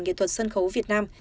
nghệ thuật sân khấu việt nam